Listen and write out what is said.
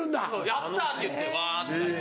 やった！って言ってわって描いて。